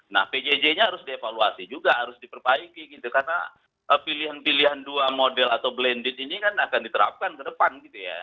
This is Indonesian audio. nah pjj nya harus dievaluasi juga harus diperbaiki gitu karena pilihan pilihan dua model atau blended ini kan akan diterapkan ke depan gitu ya